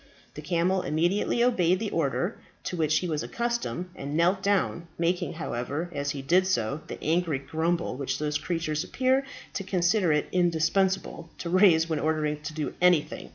The camel immediately obeyed the order to which he was accustomed, and knelt down, making, however, as he did so, the angry grumble which those creatures appear to consider it indispensable to raise when ordered to do anything.